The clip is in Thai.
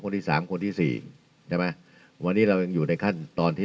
ที่สามคนที่สี่ใช่ไหมวันนี้เรายังอยู่ในขั้นตอนที่